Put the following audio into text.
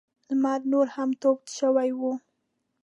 لمر نور هم تود شوی و.